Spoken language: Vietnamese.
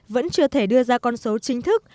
vẫn chưa thể đưa ra con số chính thức